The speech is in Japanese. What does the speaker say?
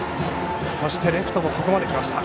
そしてレフトもここまで来ました。